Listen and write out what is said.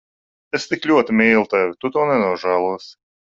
Es tik ļoti mīlu tevi. Tu to nenožēlosi.